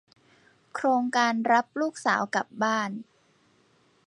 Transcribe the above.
โครงการรับลูกสาวกลับบ้าน